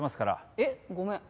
えっごめん。